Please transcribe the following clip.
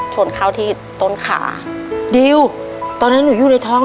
ชนเข้าที่ต้นขาดิวตอนนั้นหนูอยู่ในท้อง